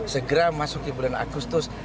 segera masuk ke bulan agustus